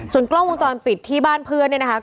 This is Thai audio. ส่วนกล้องวงจรปิดที่บ้านเพื่อนเนี่ยนะคะ